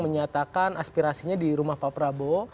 menyatakan aspirasinya di rumah pak prabowo